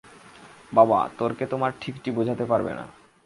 বাবা, তর্কে তোমাকে ঠিকটি বোঝাতে পারব না।